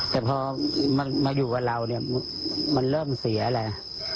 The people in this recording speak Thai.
แต่พอมันมาอยู่กับเราเนี่ยมันเริ่มเสียอะไร